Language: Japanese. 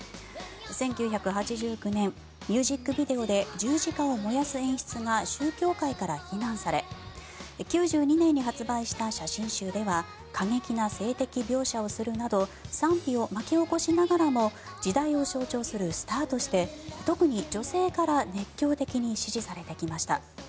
１９８９年ミュージックビデオで十字架を燃やす演出が宗教界から非難され９２年に発売した写真集では過激な性的描写をするなど賛否を巻き起こしながらも時代を象徴するスターとして特に女性から熱狂的に支持されてきました。